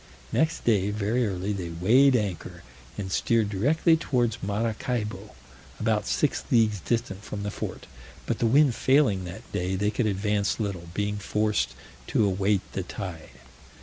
Next day, very early, they weighed anchor, and steered directly towards Maracaibo, about six leagues distant from the fort; but the wind failing that day, they could advance little, being forced to await the tide.